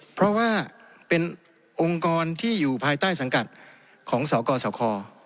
เพราะว่าเป็นองค์กรที่อยู่ภายใต้สังกัดของสกสค